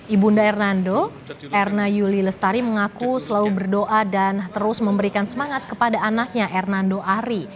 ibunda hernando erna yuli lestari mengaku selalu berdoa dan terus memberikan semangat kepada anaknya hernando ari